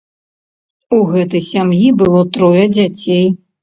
У гэтай сям'і было трое дзяцей.